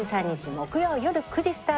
木曜よる９時スタート。